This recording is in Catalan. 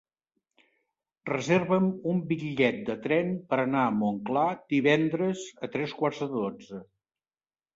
Reserva'm un bitllet de tren per anar a Montclar divendres a tres quarts de dotze.